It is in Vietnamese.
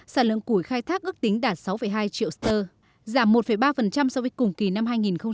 sản lượng củi khai thác ước tính đạt sáu hai triệu ster giảm một ba so với cùng kỳ năm hai nghìn một mươi chín